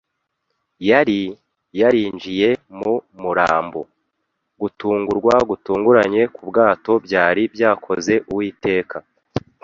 yari yarinjiye mu murambo. Gutungurwa gutunguranye kwubwato byari byakoze Uwiteka